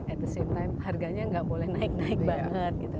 at the same time harganya nggak boleh naik naik banget gitu